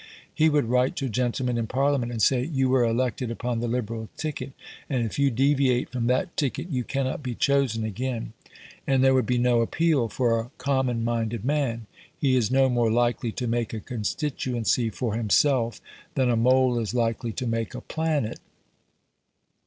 He would write to gentlemen in Parliament, and say, "You were elected upon 'the Liberal ticket'; and if you deviate from that ticket you cannot be chosen again". And there would be no appeal for a common minded man. He is no more likely to make a constituency for himself than a mole is likely to make a planet.